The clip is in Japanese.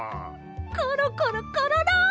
コロコロコロロ！